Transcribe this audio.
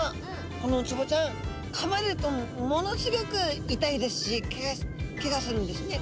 このウツボちゃん、かまれるとものすギョく痛いですしけがするんですね。